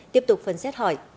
tiếp tục phân xét hỏi